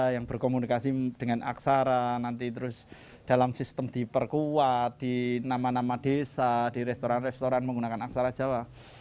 yang berkomunikasi dengan aksara nanti terus dalam sistem diperkuat di nama nama desa di restoran restoran menggunakan aksara jawa